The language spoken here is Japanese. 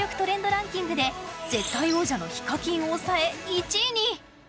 ランキングで絶対王者のＨＩＫＡＫＩＮを抑え１位に。